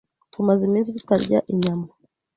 Tumaze iminsi tutarya inyama.